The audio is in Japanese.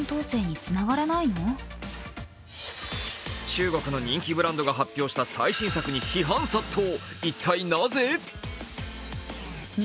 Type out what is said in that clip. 中国の人気ブランドが発表した最新作に批判が殺到。